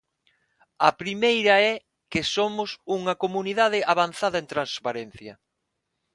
A primeira é que somos unha comunidade avanzada en transparencia.